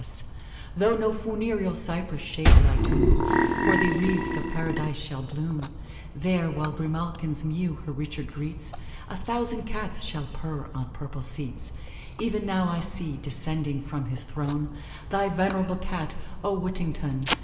S.' Though no funereal cypress shade thy tomb, For thee the wreaths of Paradise shall bloom; There, while Grimalkin's mew her Richard greets, A thousand Cats shall purr on purple seats. E'en now I see, descending from his throne, Thy venerable Cat, O Whittington!